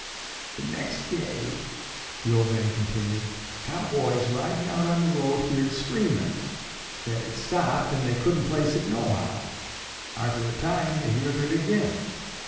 "The nex' day," the old man continued, "cowboys ridin' out on the road heerd screamin'. Then it stopped an' they couldn't place it nohow. Arter a time they heerd it agin.